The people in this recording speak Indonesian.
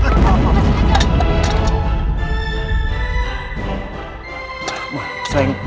selain kurang hati hati